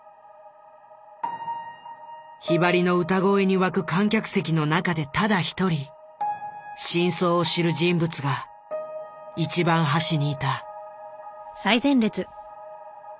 ひばりの歌声に沸く観客席の中でただ一人真相を知る人物が一番端にいた。